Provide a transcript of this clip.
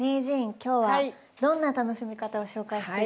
今日はどんな楽しみ方を紹介して頂けるんですか？